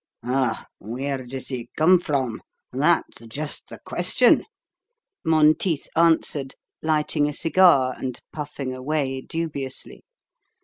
"Ah, where does he come from? that's just the question," Monteith answered, lighting a cigar, and puffing away dubiously.